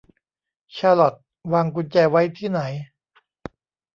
ชาลอตวางกุญแจไว้ที่ไหน